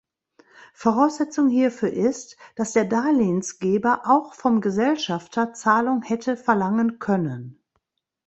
Voraussetzung hierfür ist, dass der Darlehensgeber auch vom Gesellschafter Zahlung hätte verlangen können.